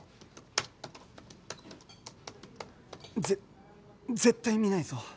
ぜ絶対見ないぞ